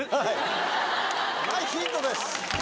はいヒントです。